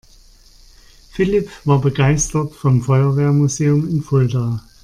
Philipp war begeistert vom Feuerwehrmuseum in Fulda.